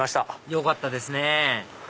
よかったですね